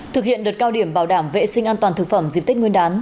thực hiện đợt cao điểm bảo đảm vệ sinh an toàn thực phẩm dịp tết nguyên đán